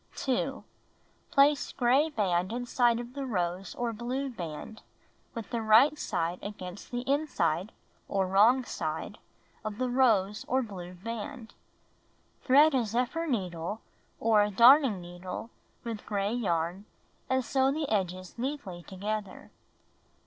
2. Place gray band inside of the rose or blue band, with the right side against the inside (or wrong side) of the rose or blue band. Thread a zephyr needle or a darning needle with gray yarn, and sew the edges neatly together.